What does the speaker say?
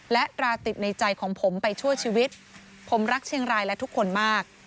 และตราติดในใจของผมไปชั่วชีวิตผมรักเชียงรายและทุกคนมาก